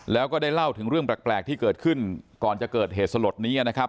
แล้วก็ได้เล่าถึงเรื่องแปลกที่เกิดขึ้นก่อนจะเกิดเหตุสลดนี้นะครับ